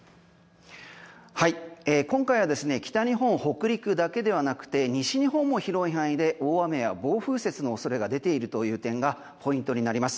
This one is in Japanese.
今回は北日本北陸だけではなくて西日本も広い範囲で大雨や暴風雪の予想も出ているという点がポイントになります。